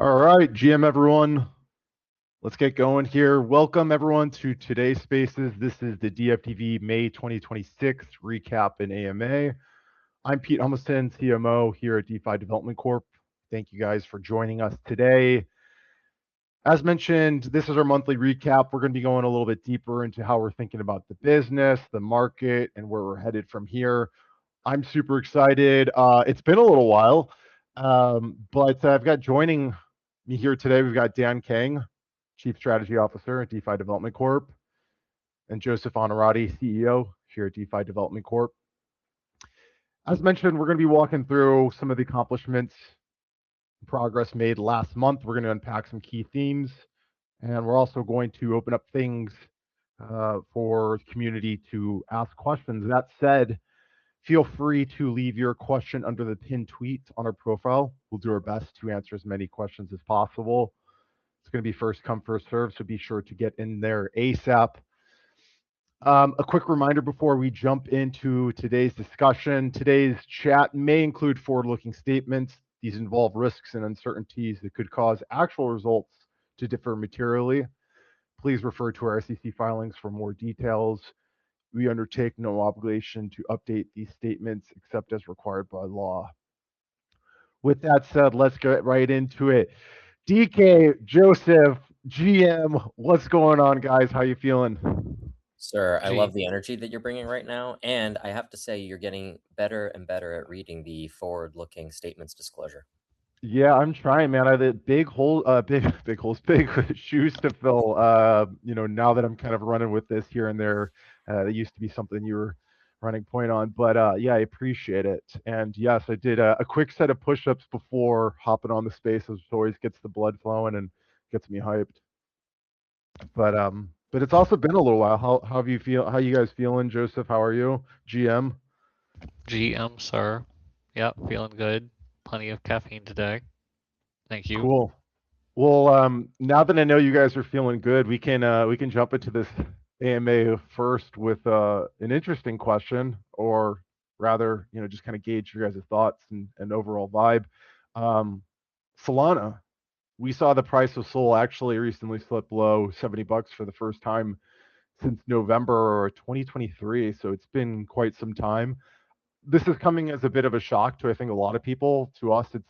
All right, GM everyone. Let's get going here. Welcome, everyone, to today's Spaces. This is the DFDV May 2026 recap and AMA. I'm Pete Humiston, CMO here at DeFi Development Corp. Thank you guys for joining us today. As mentioned, this is our monthly recap. We're going to be going a little bit deeper into how we're thinking about the business, the market, and where we're headed from here. I'm super excited. It's been a little while, but I've got joining me here today, we've got Dan Kang, Chief Strategy Officer at DeFi Development Corp, and Joseph Onorati, CEO here at DeFi Development Corp. As mentioned, we're going to be walking through some of the accomplishments, progress made last month. We're going to unpack some key themes, and we're also going to open up things for the community to ask questions. That said, feel free to leave your question under the pinned tweet on our profile. We'll do our best to answer as many questions as possible. It's going to be first come, first served, so be sure to get in there ASAP. A quick reminder before we jump into today's discussion, today's chat may include forward-looking statements. These involve risks and uncertainties that could cause actual results to differ materially. Please refer to our SEC filings for more details. We undertake no obligation to update these statements except as required by law. With that said, let's get right into it. DK, Joseph, GM, what's going on, guys? How you feeling? Sir, I love the energy that you're bringing right now. I have to say, you're getting better and better at reading the forward-looking statements disclosure. Yeah, I'm trying, man. I have Big shoes to fill, now that I'm kind of running with this here and there. That used to be something you were running point on. Yeah, I appreciate it. Yes, I did a quick set of push-ups before hopping on the Spaces, which always gets the blood flowing and gets me hyped. It's also been a little while. How are you guys feeling? Joseph, how are you? GM. GM, sir. Yep, feeling good. Plenty of caffeine today. Thank you. Cool. Well, now that I know you guys are feeling good, we can jump into this AMA first with an interesting question or rather, just kind of gauge your guys' thoughts and overall vibe. Solana. We saw the price of SOL actually recently slip below $70 for the first time since November or 2023, so it's been quite some time. This is coming as a bit of a shock to, I think, a lot of people. To us, it's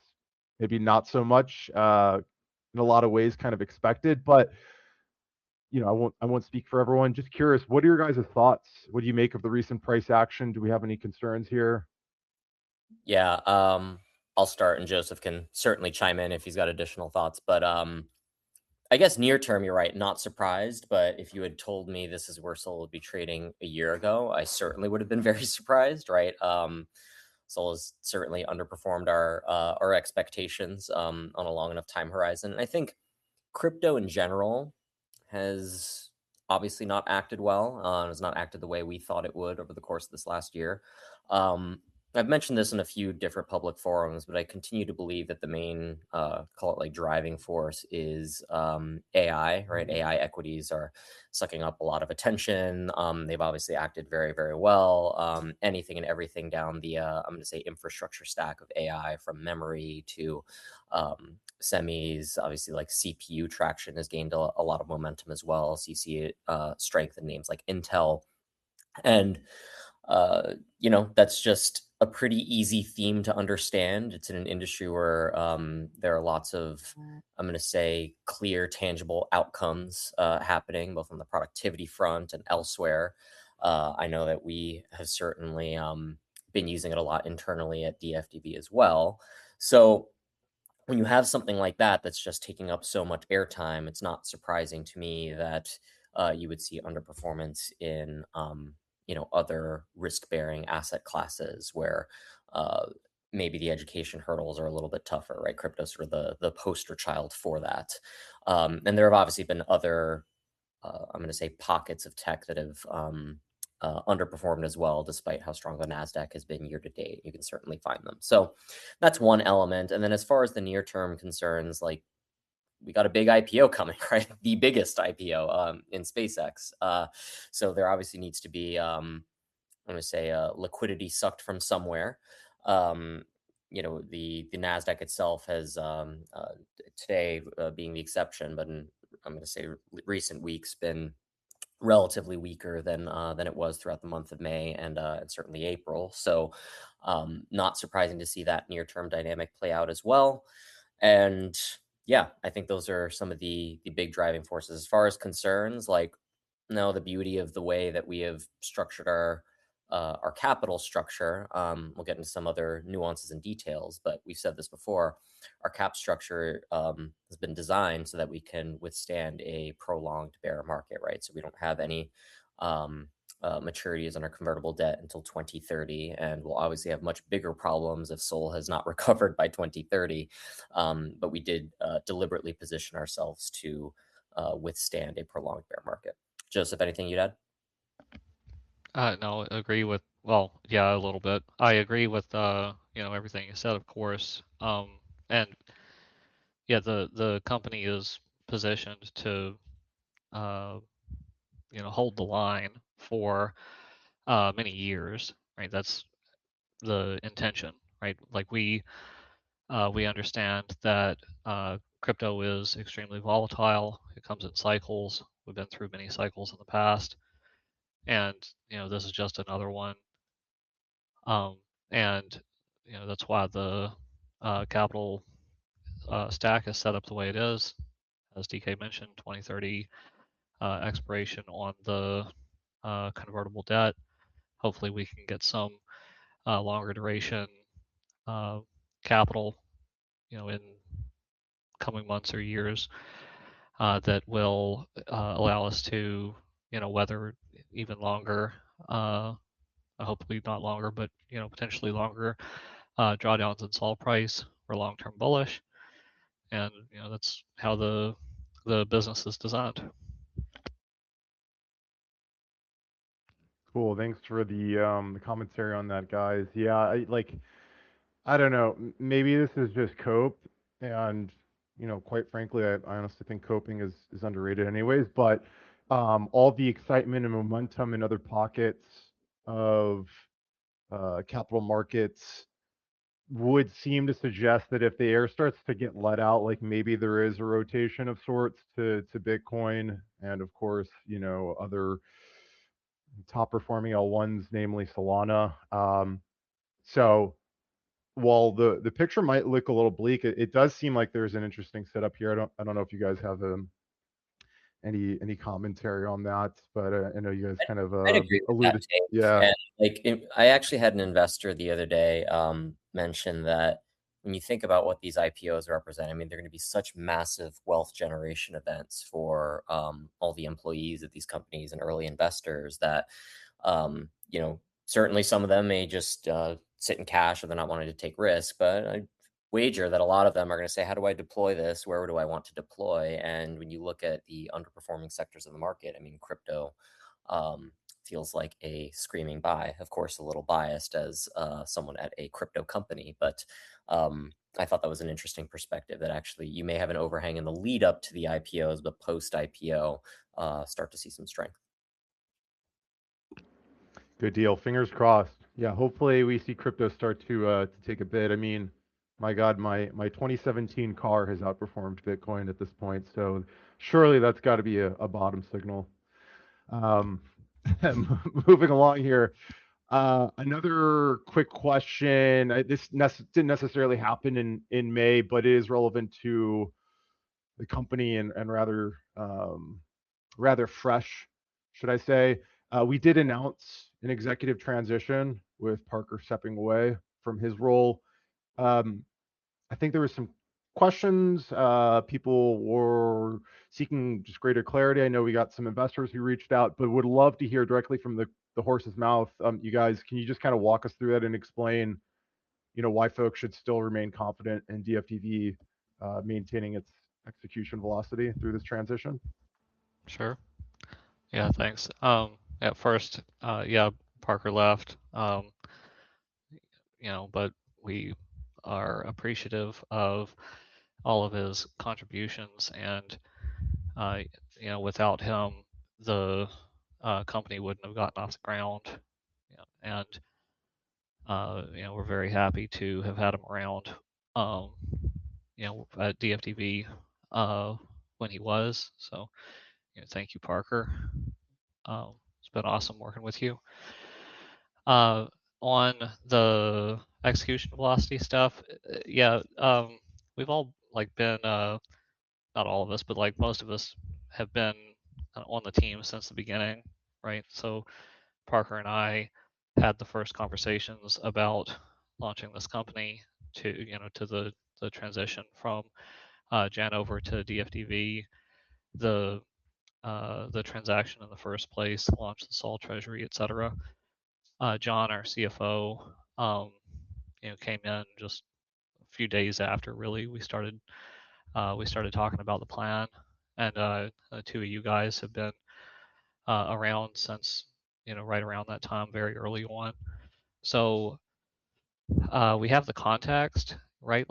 maybe not so much, in a lot of ways expected, but I won't speak for everyone. Just curious, what are your guys' thoughts? What do you make of the recent price action? Do we have any concerns here? Yeah. I'll start, and Joseph can certainly chime in if he's got additional thoughts. I guess near term, you're right, not surprised, but if you had told me this is where SOL would be trading a year ago, I certainly would've been very surprised, right? SOL has certainly underperformed our expectations on a long enough time horizon. I think crypto, in general, has obviously not acted well, and has not acted the way we thought it would over the course of this last year. I've mentioned this in a few different public forums, but I continue to believe that the main, call it driving force, is AI, right? AI equities are sucking up a lot of attention. They've obviously acted very well. Anything and everything down the, I'm going to say, infrastructure stack of AI, from memory to semis. Obviously CPU traction has gained a lot of momentum as well. You see strength in names like Intel. That's just a pretty easy theme to understand. It's in an industry where there are lots of, I'm going to say, clear, tangible outcomes happening, both on the productivity front and elsewhere. I know that we have certainly been using it a lot internally at DFDV as well. When you have something like that that's just taking up so much air time, it's not surprising to me that you would see underperformance in other risk-bearing asset classes, where maybe the education hurdles are a little bit tougher, right? Cryptos were the poster child for that. There have obviously been other, I'm going to say, pockets of tech that have underperformed as well, despite how strong the Nasdaq has been year to date. You can certainly find them. That's one element. As far as the near-term concerns, we got a big IPO coming, right? The biggest IPO in SpaceX. There obviously needs to be, I'm going to say, liquidity sucked from somewhere. The Nasdaq itself has, today being the exception, but I'm going to say recent weeks, been relatively weaker than it was throughout the month of May and certainly April. Not surprising to see that near-term dynamic play out as well. Yeah, I think those are some of the big driving forces. As far as concerns, now the beauty of the way that we have structured our capital structure, we'll get into some other nuances and details, but we've said this before. Our cap structure has been designed so that we can withstand a prolonged bear market, right? We don't have any maturities on our convertible debt until 2030, and we'll obviously have much bigger problems if SOL has not recovered by 2030. We did deliberately position ourselves to withstand a prolonged bear market. Joseph, anything you'd add? No, I agree with. Well, yeah, a little bit. I agree with everything you said, of course. Yeah, the company is positioned to hold the line for many years, right? That's the intention, right? We understand that crypto is extremely volatile. It comes in cycles. We've been through many cycles in the past, and this is just another one. That's why the capital stack is set up the way it is. As DK mentioned, 2030 expiration on the convertible debt. Hopefully, we can get some longer duration capital in coming months or years that will allow us to weather even longer, hopefully not longer, but potentially longer draw-downs in SOL price. We're long-term bullish, and that's how the business is designed. Cool. Thanks for the commentary on that, guys. Yeah. I don't know. Maybe this is just cope and quite frankly, I honestly think coping is underrated anyways, but all the excitement and momentum in other pockets of capital markets would seem to suggest that if the air starts to get let out, maybe there is a rotation of sorts to Bitcoin and of course, other top-performing L1s, namely Solana. While the picture might look a little bleak, it does seem like there's an interesting setup here. I don't know if you guys have any commentary on that, but I know you guys kind of. [inaudible] Yeah. I actually had an investor the other day mention that when you think about what these IPOs represent, they're going to be such massive wealth generation events for all the employees of these companies and early investors that certainly some of them may just sit in cash or they're not wanting to take risks, but I'd wager that a lot of them are going to say, "How do I deploy this? Where do I want to deploy?" When you look at the underperforming sectors of the market, crypto feels like a screaming buy. Of course, a little biased as someone at a crypto company, but I thought that was an interesting perspective that actually you may have an overhang in the lead-up to the IPOs, but post-IPO start to see some strength. Good deal. Fingers crossed. Yeah. Hopefully, we see crypto start to take a bit. My God, my 2017 car has outperformed Bitcoin at this point, so surely that's got to be a bottom signal. Moving along here. Another quick question. This didn't necessarily happen in May, but it is relevant to the company and rather fresh, should I say. We did announce an executive transition with Parker stepping away from his role. I think there were some questions. People were seeking just greater clarity. I know we got some investors who reached out, but would love to hear directly from the horse's mouth. You guys, can you just kind of walk us through that and explain why folks should still remain confident in DFDV maintaining its execution velocity through this transition? Sure. Yeah. Thanks. At first, yeah, Parker left. We are appreciative of all of his contributions and without him, the company wouldn't have gotten off the ground. We're very happy to have had him around at DFDV when he was. Thank you, Parker. It's been awesome working with you. On the execution velocity stuff, yeah. We've all been, not all of us, but most of us have been on the team since the beginning, right? Parker and I had the first conversations about launching this company to the transition from Janover to DFDV, the transaction in the first place, launch the SOL treasury, et cetera. John, our CFO, came in just a few days after, really, we started talking about the plan. The two of you guys have been around since right around that time, very early on. We have the context, right?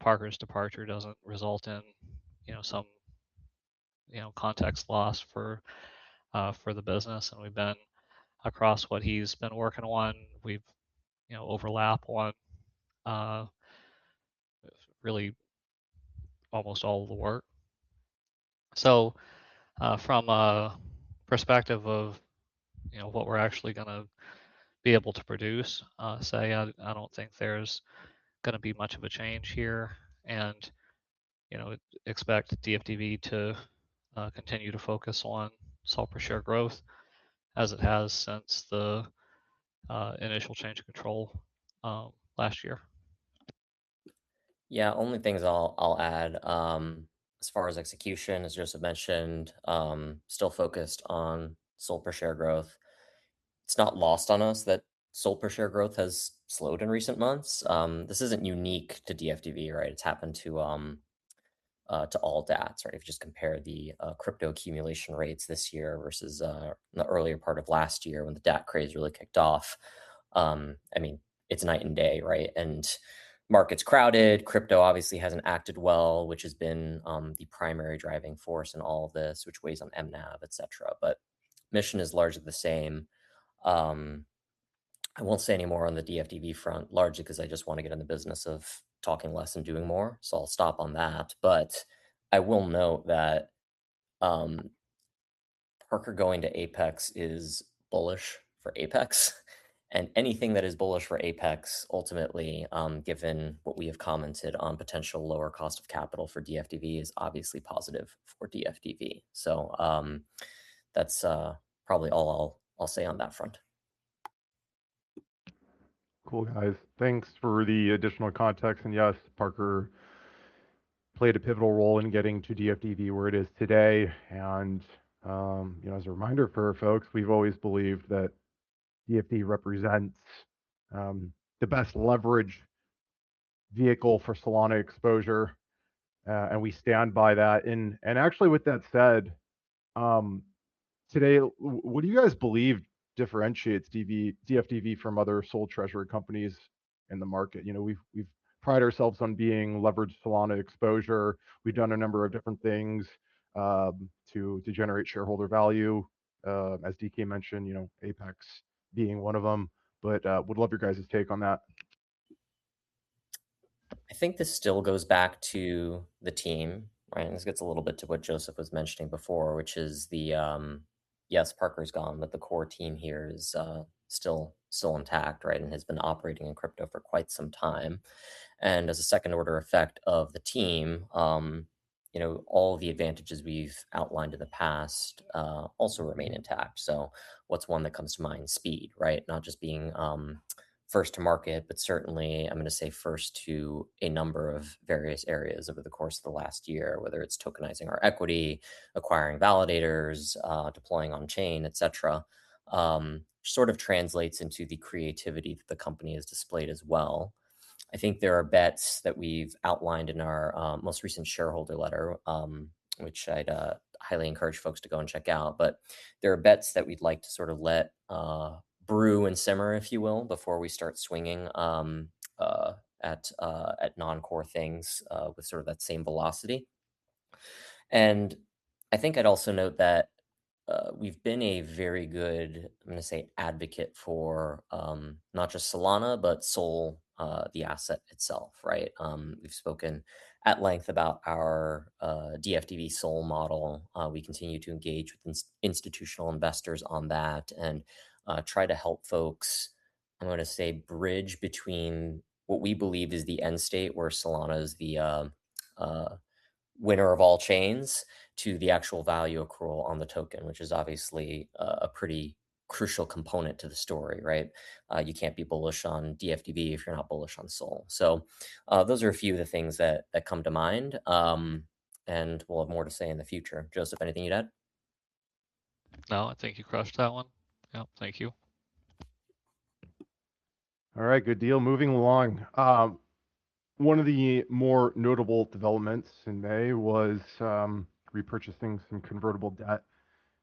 Parker's departure doesn't result in some context loss for the business. We've been across what he's been working on. We overlap on really almost all of the work. From a perspective of what we're actually going to be able to produce, I don't think there's going to be much of a change here and expect DFDV to continue to focus on SOL per share growth as it has since the initial change of control last year. Yeah. Only things I'll add, as far as execution, as Joseph mentioned, still focused on SOL per share growth. It's not lost on us that SOL per share growth has slowed in recent months. This isn't unique to DFDV, right? It's happened to all DATs, right? If you just compare the crypto accumulation rates this year versus the earlier part of last year when the DAT craze really kicked off. It's night and day, right? Market's crowded. Crypto obviously hasn't acted well, which has been the primary driving force in all of this, which weighs on mNAV, et cetera. Mission is largely the same. I won't say any more on the DFDV front, largely because I just want to get in the business of talking less and doing more. I'll stop on that. I will note that Parker going to Apyx is bullish for Apyx, anything that is bullish for Apyx, ultimately, given what we have commented on potential lower cost of capital for DFDV is obviously positive for DFDV. That's probably all I'll say on that front. Cool, guys. Thanks for the additional context. Yes, Parker played a pivotal role in getting DFDV where it is today. As a reminder for folks, we've always believed that DFDV represents the best leverage vehicle for Solana exposure, we stand by that. Actually with that said, today, what do you guys believe differentiates DFDV from other SOL treasury companies in the market? We've prided ourselves on being leveraged Solana exposure. We've done a number of different things to generate shareholder value. As DK mentioned, Apyx being one of them. Would love your guys' take on that. I think this still goes back to the team, right? This gets a little bit to what Joseph Onorati was mentioning before, which is the, yes, Parker White's gone, but the core team here is still intact and has been operating in crypto for quite some time. As a second order effect of the team, all the advantages we've outlined in the past also remain intact. What's one that comes to mind? Speed, right? Not just being first to market, but certainly I'm going to say first to a number of various areas over the course of the last year, whether it's tokenizing our equity, acquiring validators, deploying on chain, et cetera, sort of translates into the creativity that the company has displayed as well. I think there are bets that we've outlined in our most recent shareholder letter, which I'd highly encourage folks to go and check out. There are bets that we'd like to sort of let brew and simmer, if you will, before we start swinging at non-core things with sort of that same velocity. I think I'd also note that we've been a very good, I'm going to say, advocate for not just Solana, but SOL, the asset itself. We've spoken at length about our DFDV SOL model. We continue to engage with institutional investors on that and try to help folks, I'm going to say, bridge between what we believe is the end state where Solana is the winner of all chains to the actual value accrual on the token, which is obviously a pretty crucial component to the story. You can't be bullish on DFDV if you're not bullish on SOL. Those are a few of the things that come to mind, and we'll have more to say in the future. Joseph Onorati, anything you'd add? No, I think you crushed that one. No, thank you. All right, good deal. Moving along. One of the more notable developments in May was repurchasing some convertible debt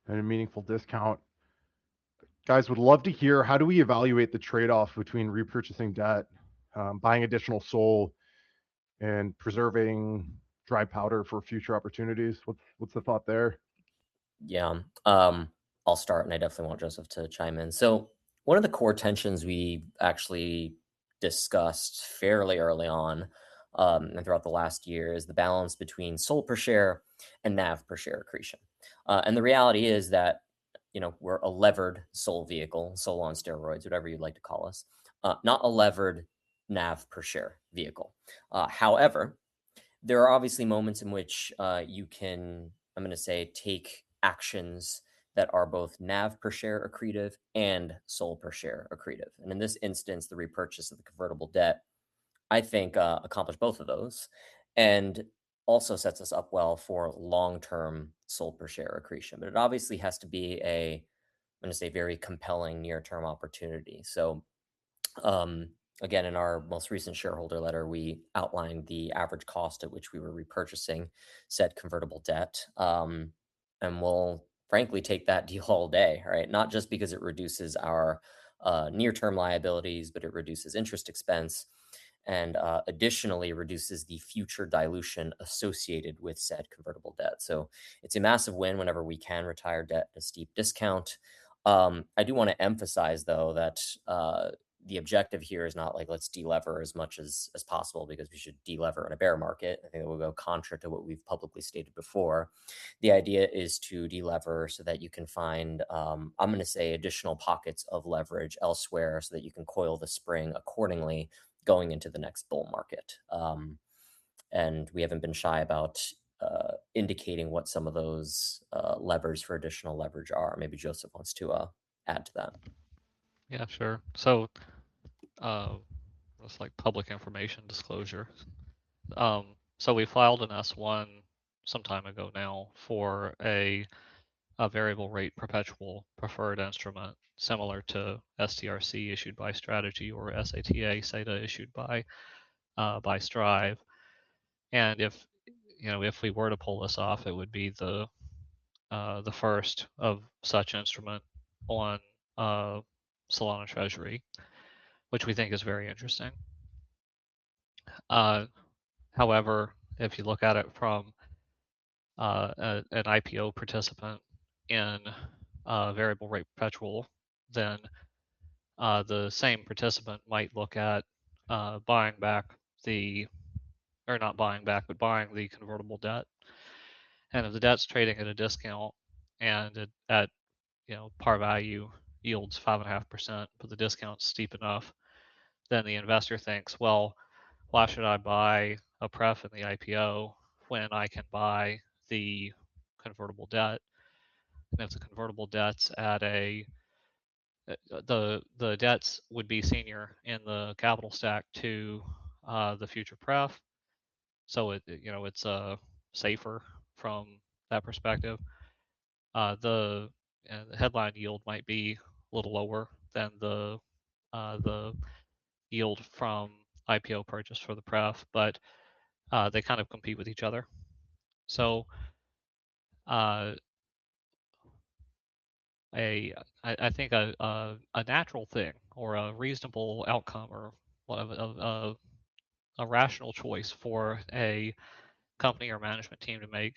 at a meaningful discount. Guys, would love to hear how do we evaluate the trade-off between repurchasing debt, buying additional SOL, and preserving dry powder for future opportunities? What's the thought there? Yeah. I'll start, and I definitely want Joseph to chime in. One of the core tensions we actually discussed fairly early on and throughout the last year is the balance between SOL per share and NAV per share accretion. The reality is that we're a levered SOL vehicle, SOL on steroids, whatever you'd like to call us, not a levered NAV per share vehicle. However, there are obviously moments in which you can, I'm going to say, take actions that are both NAV per share accretive and SOL per share accretive. In this instance, the repurchase of the convertible debt, I think accomplished both of those and also sets us up well for long-term SOL per share accretion. It obviously has to be a, I'm going to say, very compelling near-term opportunity. Again, in our most recent shareholder letter, we outlined the average cost at which we were repurchasing said convertible debt. We'll frankly take that deal all day. Not just because it reduces our near-term liabilities, but it reduces interest expense and additionally reduces the future dilution associated with said convertible debt. It's a massive win whenever we can retire debt at a steep discount. I do want to emphasize, though, that the objective here is not like let's delever as much as possible because we should delever in a bear market. I think that would go contrary to what we've publicly stated before. The idea is to delever so that you can find, I'm going to say, additional pockets of leverage elsewhere so that you can coil the spring accordingly going into the next bull market. We haven't been shy about indicating what some of those levers for additional leverage are. Maybe Joseph wants to add to that. Yeah, sure. That's like public information disclosure. We filed an S1 some time ago now for a variable rate perpetual preferred instrument similar to STRK issued by Strategy or SATA issued by Strive. If we were to pull this off, it would be the first of such instrument on Solana treasury, which we think is very interesting. However, if you look at it from an IPO participant in a variable rate perpetual, the same participant might look at buying back the, or not buying back, but buying the convertible debt. If the debt's trading at a discount and at par value yields 5.5%, but the discount's steep enough, the investor thinks, "Well, why should I buy a pref in the IPO when I can buy the convertible debt?" If the convertible debts would be senior in the capital stack to the future pref. It's safer from that perspective. The headline yield might be a little lower than the yield from IPO purchase for the pref, but they kind of compete with each other. I think a natural thing or a reasonable outcome or a rational choice for a company or management team to make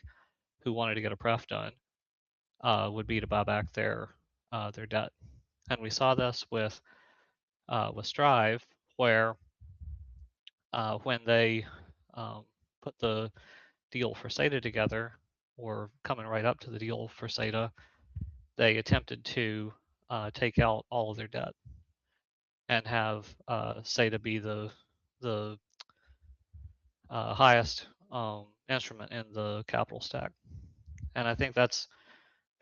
who wanted to get a pref done, would be to buy back their debt. We saw this with Strive, where when they put the deal for SEDA together, or coming right up to the deal for SEDA, they attempted to take out all of their debt and have SEDA be the highest instrument in the capital stack. I think that's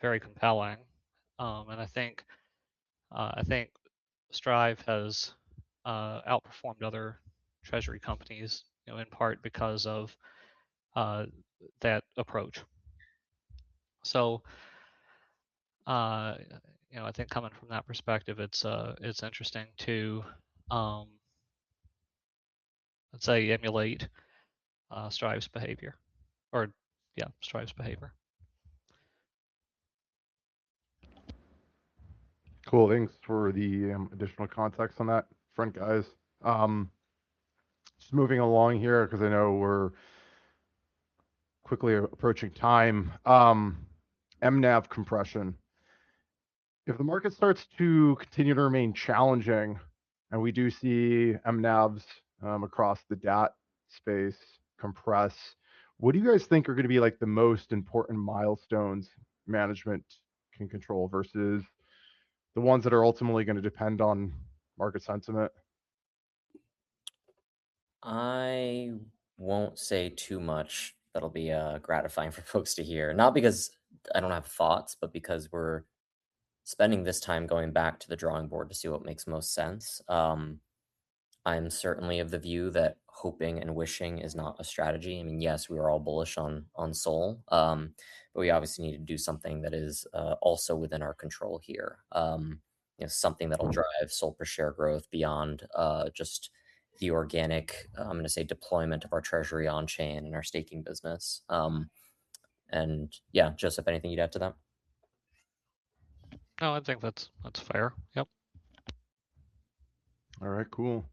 very compelling. I think Strive has outperformed other treasury companies in part because of that approach. I think coming from that perspective, it's interesting to, let's say, emulate Strive's behavior. Yeah, Strive's behavior. Cool. Thanks for the additional context on that front, guys. Just moving along here because I know we're quickly approaching time. MNAV compression. If the market starts to continue to remain challenging and we do see MNAVs across the DAT space compress, what do you guys think are going to be the most important milestones management can control versus the ones that are ultimately going to depend on market sentiment? I won't say too much that'll be gratifying for folks to hear. Not because I don't have thoughts, but because we're spending this time going back to the drawing board to see what makes most sense. I'm certainly of the view that hoping and wishing is not a strategy. I mean, yes, we are all bullish on SOL. We obviously need to do something that is also within our control here. Something that'll drive SOL per share growth beyond just the organic, I'm going to say, deployment of our treasury on-chain and our staking business. Yeah, Joseph, anything you'd add to that? No, I think that's fair. Yep. All right, cool.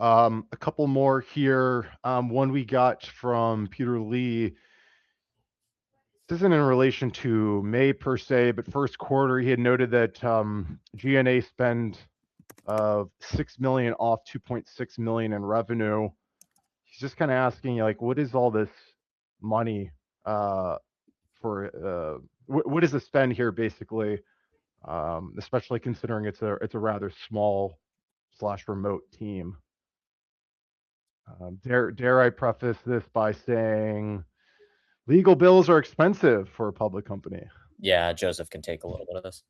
A couple more here. One we got from Peter Lee. This isn't in relation to May per se, but first quarter he had noted that G&A spend of SOL 6 million off SOL 2.6 million in revenue. He's just asking, what is all this money for? What is the spend here, basically, especially considering it's a rather small/remote team? Dare I preface this by saying legal bills are expensive for a public company. Yeah. Joseph can take a little bit of this.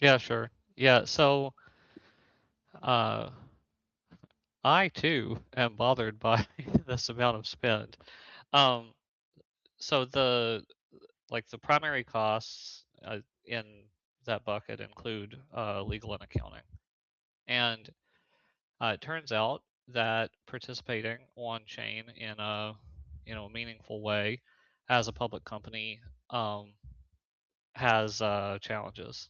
Yeah, sure. Yeah. I too am bothered by this amount of spend. The primary costs in that bucket include legal and accounting. It turns out that participating on-chain in a meaningful way as a public company has challenges.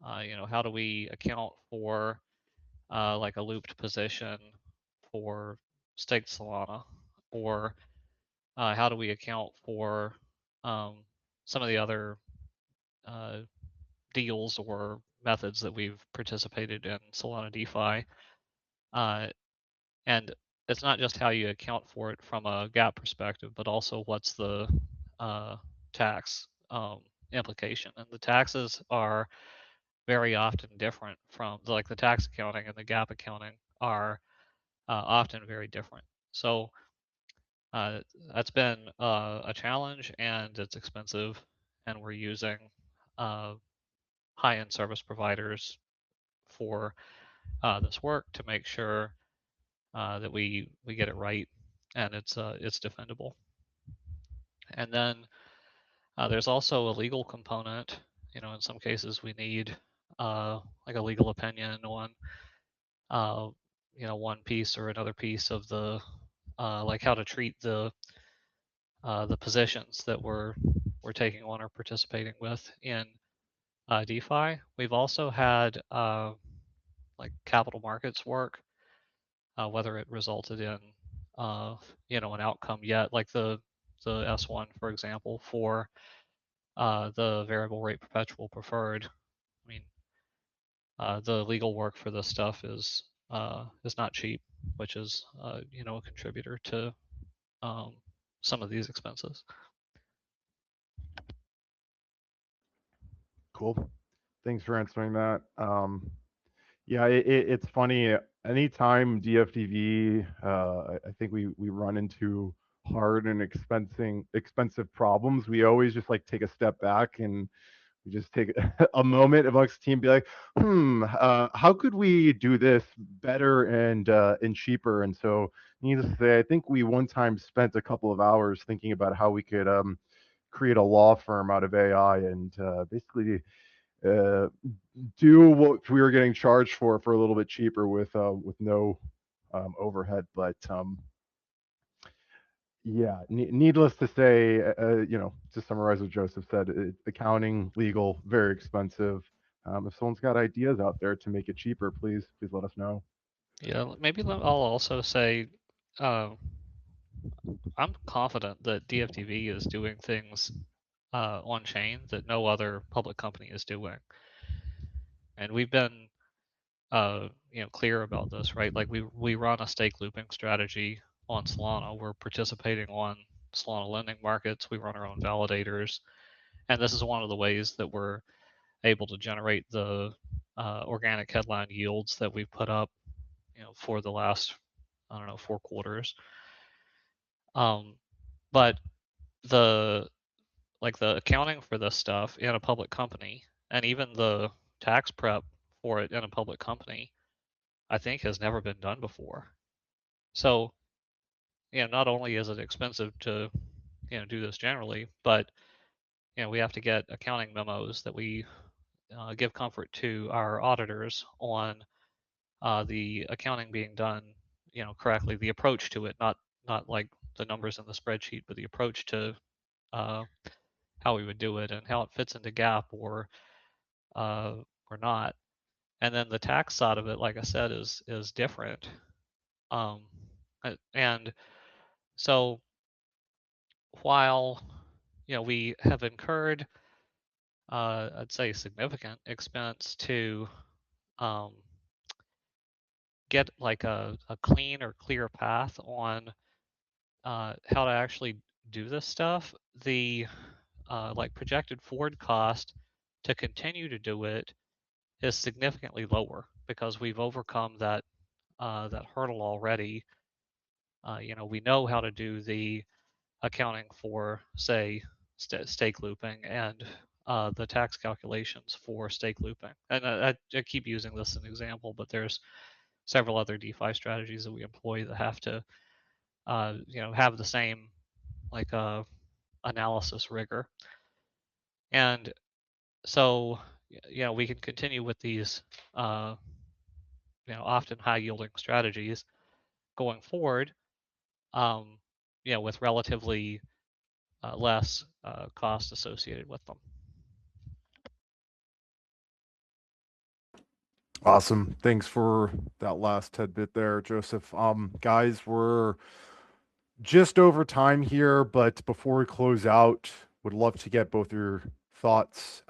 How do we account for a looped position for staked Solana? How do we account for some of the other deals or methods that we've participated in Solana DeFi? It's not just how you account for it from a GAAP perspective, but also what's the tax implication? The tax accounting and the GAAP accounting are often very different. That's been a challenge and it's expensive, and we're using high-end service providers for this work to make sure that we get it right and it's defendable. Then there's also a legal component. In some cases, we need a legal opinion on one piece or another piece of how to treat the positions that we're taking on or participating with in DeFi. We've also had capital markets work, whether it resulted in an outcome yet, like the S1, for example, for the variable rate perpetual preferred. The legal work for this stuff is not cheap, which is a contributor to some of these expenses. Cool. Thanks for answering that. Yeah, it's funny. Anytime DFDV, I think we run into hard and expensive problems, we always just take a step back and we just take a moment amongst the team and be like, "Hmm, how could we do this better and cheaper?" Needless to say, I think we one time spent a couple of hours thinking about how we could create a law firm out of AI and basically do what we were getting charged for a little bit cheaper with no overhead. Yeah. Needless to say, to summarize what Joseph said, accounting, legal, very expensive. If someone's got ideas out there to make it cheaper, please let us know. Yeah. Maybe I'll also say, I'm confident that DFDV is doing things on-chain that no other public company is doing. We've been clear about this, right? We run a stake looping strategy on Solana. We're participating on Solana lending markets. We run our own validators. This is one of the ways that we're able to generate the organic headline yields that we've put up for the last, I don't know, four quarters. The accounting for this stuff in a public company, and even the tax prep for it in a public company, I think has never been done before. Not only is it expensive to do this generally, but we have to get accounting memos that we give comfort to our auditors on the accounting being done correctly. The approach to it, not the numbers in the spreadsheet, but the approach to how we would do it and how it fits into GAAP or not. The tax side of it, like I said, is different. While we have incurred, I'd say, significant expense to get a clean or clear path on how to actually do this stuff, the projected forward cost to continue to do it is significantly lower because we've overcome that hurdle already. We know how to do the accounting for, say, stake looping and the tax calculations for stake looping. I keep using this as an example, but there's several other DeFi strategies that we employ that have to have the same analysis rigor. We can continue with these often high-yielding strategies going forward with relatively less cost associated with them. Awesome. Thanks for that last tidbit there, Joseph. Guys, we're just over time here. Before we close out, would love to get both your thoughts.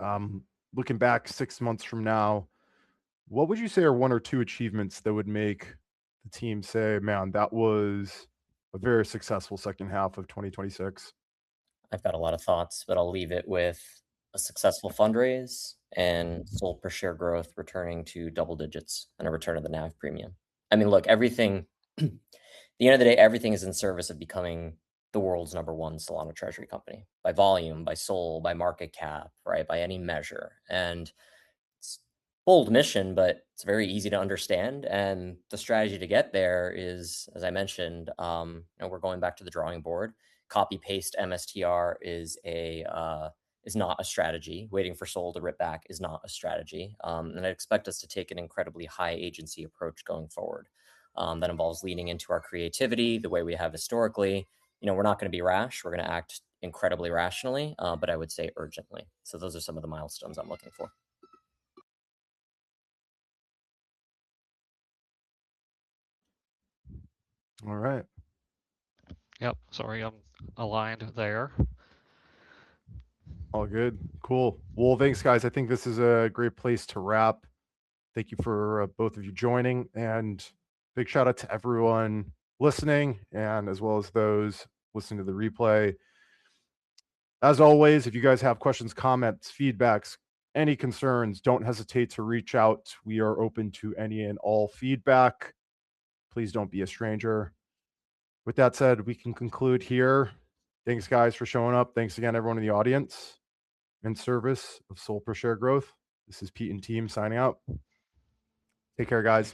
Looking back six months from now, what would you say are one or two achievements that would make the team say, "Man, that was a very successful second half of 2026? I've got a lot of thoughts. I'll leave it with a successful fundraise and SOL per share growth returning to double digits and a return of the NAV premium. Look, at the end of the day, everything is in service of becoming the world's number one Solana treasury company by volume, by SOL, by market cap, right? By any measure. It's a bold mission, but it's very easy to understand. The strategy to get there is, as I mentioned, we're going back to the drawing board. Copy-paste MSTR is not a strategy. Waiting for SOL to rip back is not a strategy. I expect us to take an incredibly high agency approach going forward that involves leaning into our creativity the way we have historically. We're not going to be rash. We're going to act incredibly rationally. I would say urgently. Those are some of the milestones I'm looking for. All right. Yep. Sorry, I'm aligned there. All good. Cool. Well, thanks, guys. I think this is a great place to wrap. Thank you for both of you joining. Big shout-out to everyone listening and as well as those listening to the replay. As always, if you guys have questions, comments, feedback, any concerns, don't hesitate to reach out. We are open to any and all feedback. Please don't be a stranger. With that said, we can conclude here. Thanks, guys, for showing up. Thanks again, everyone in the audience. In service of SOL per share growth, this is Pete and team signing out. Take care, guys.